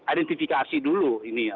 identifikasi dulu ini ya